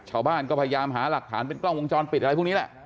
ชาวบ้านก็พยายามหาหลักฐานเป็นกล้องวงจรปิดอะไรพวกนี้แหละ